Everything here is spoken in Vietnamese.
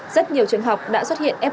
rất nhiều trường học đã xuất hiện f